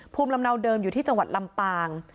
ภูมิลำเนาเดิมอยู่ที่จังหวัดลำปาง